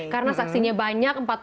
karena saksinya banyak